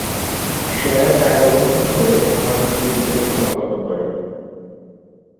সেরা চারে অবস্থান করে ওমান প্রতিযোগিতাটি সম্পন্ন করে।